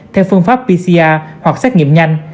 theo phương pháp pcr hoặc xét nghiệm nhanh